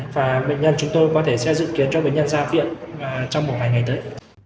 và bệnh nhân chúng tôi có thể sẽ dự kiến cho bệnh nhân ra viện trong một vài ngày tới